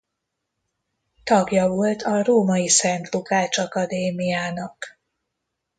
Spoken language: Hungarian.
Tagja volt a római Szent Lukács akadémiának.